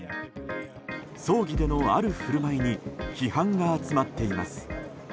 葬儀でのある振る舞いに批判が集まっています。